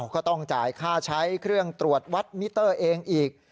ก็ต้องจ่ายค่าใช้เครื่องตรวจวัดมิเตอร์เองอีก